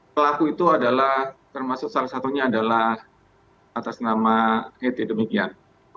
pelaku itu adalah termasuk salah satunya adalah atas nama eti demikian